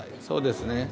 そうですね。